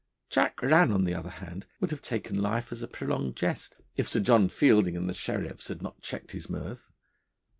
Jack Rann, on the other hand, would have taken life as a prolonged jest, if Sir John Fielding and the sheriffs had not checked his mirth.